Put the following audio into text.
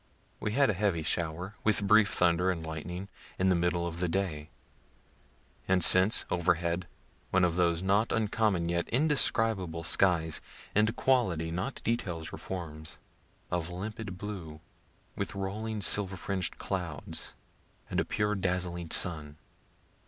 We had a heavy shower, with brief thunder and lightning, in the middle of the day; and since, overhead, one of those not uncommon yet indescribable skies (in quality, not details or forms) of limpid blue, with rolling silver fringed clouds, and a pure dazzling sun.